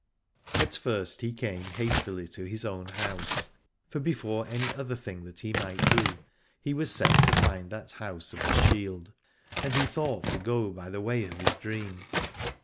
And first he came hastily to his own house : for before any other thing that he might do he was set to find that house of the shield, and he thought to go by the way of his dream.